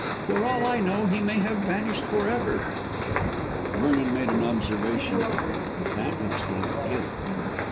For all I know he may have vanished for ever." Vernon made an observation: "That looks like guilt."